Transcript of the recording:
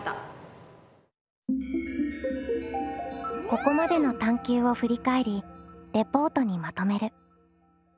ここまでの探究を振り返りレポートにまとめる。